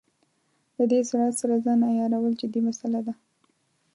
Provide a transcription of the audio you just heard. له دې سرعت سره ځان عیارول جدي مساله ده.